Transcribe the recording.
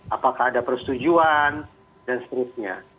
apakah ada persetujuan dan seterusnya